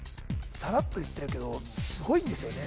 さらっと言ってるけどすごいんですよね